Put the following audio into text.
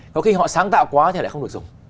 có khi họ sáng tạo quá thì lại không được dùng